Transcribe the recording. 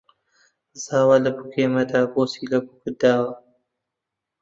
زاوا لە بووکێ مەدە بۆچی لە بووکت داوە